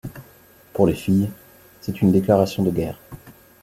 Pour les filles, c'est une déclaration de guerre.